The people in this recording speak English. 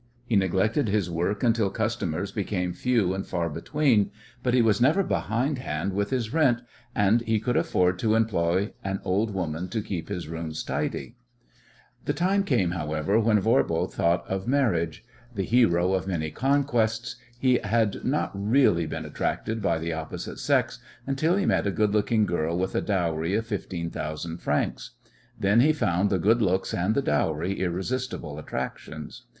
He neglected his work until customers became few and far between, but he was never behindhand with his rent, and he could afford to employ an old woman to keep his rooms tidy. The time came, however, when Voirbo thought of marriage. The hero of many conquests, he had not really been attracted by the opposite sex until he met a good looking girl with a dowry of fifteen thousand francs. Then he found the good looks and the dowry irresistible attractions.